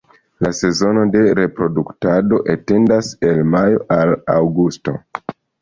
La sezono de reproduktado etendas el majo al aŭgusto.